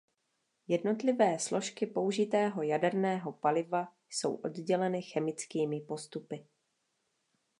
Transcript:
Jednotlivé složky použitého jaderného paliva jsou odděleny chemickými postupy.